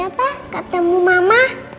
ayah papa ketemu mama